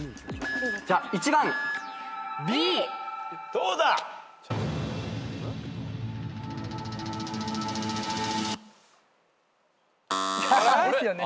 どうだ？ですよね。